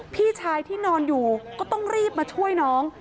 พี่ชายที่นอนอยู่ก็ต้องรีบมาช่วยน้อง